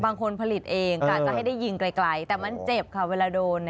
บางคนผลิตเองกะจะให้ได้ยิงไกลแต่มันเจ็บค่ะเวลาโดน